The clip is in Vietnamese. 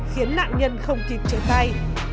khiến nạn nhân không kịp trở tay